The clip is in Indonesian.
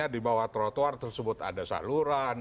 di bawah trotoar tersebut ada saluran